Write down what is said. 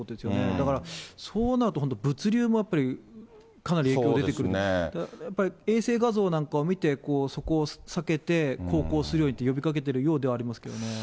だからそうなると、今度物流もやっぱりかなり影響出てくる、やっぱり衛星画像なんかを見て、そこを避けて航行するようにと呼びかけているようではありますけ